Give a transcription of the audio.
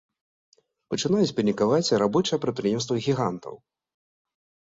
Пачынаюць панікаваць і рабочыя прадпрыемстваў-гігантаў.